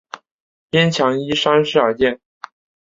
边墙依山势而建。